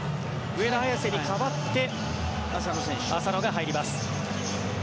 上田綺世に代わって浅野が入ります。